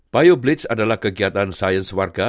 bioblic adalah kegiatan sains warga